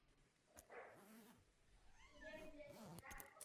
Jde o malé sídlo vesnického typu s dlouhodobě rostoucí populací.